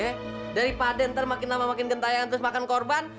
ya udah lah udah nanti makin lama makin gentayangan terus makan korban